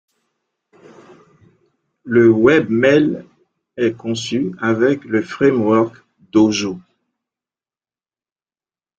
Le Webmail est conçu avec le framework Dojo.